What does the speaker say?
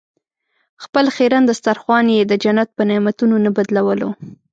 خپل خیرن دسترخوان یې د جنت په نعمتونو نه بدلولو.